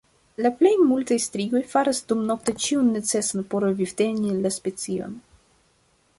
La plej multaj strigoj faras dumnokte ĉion necesan por vivteni la specion.